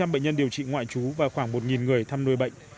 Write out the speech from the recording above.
năm trăm linh bệnh nhân điều trị ngoại trú và khoảng một người thăm nuôi bệnh